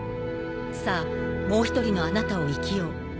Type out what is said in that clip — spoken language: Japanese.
さぁもう１人のあなたを生きよう。